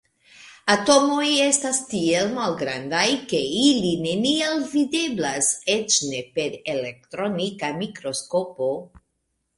Atomoj estas tiel malgrandaj, ke ili neniel videblas, eĉ ne per elektronika mikroskopo.